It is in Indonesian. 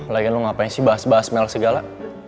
lagian lo ngapain sih bahas bahas mel segala